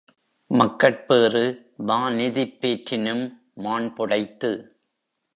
மக்கட்பேறு மாநிதிப் பேற்றினும் மாண் புடைத்து!